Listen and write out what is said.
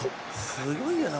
「すごいよな。